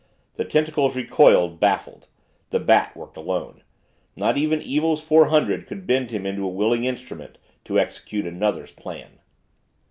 The tentacles recoiled, baffled the Bat worked alone not even Evil's Four Hundred could bend him into a willing instrument to execute another's plan.